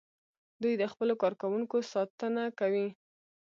دوی د خپلو کارکوونکو ساتنه کوي.